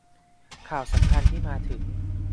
ข่าวสำคัญที่มาถึง